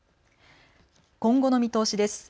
今後の見通しです。